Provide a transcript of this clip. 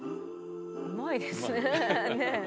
うまいですね。